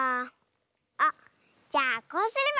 あっじゃあこうすれば？